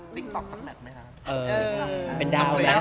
ติ๊กต๊อกสัมแกนอะไรครับ